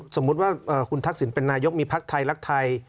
สมมุติว่าคุณทักษิณเป็นนายกมีพักไทยรักไทย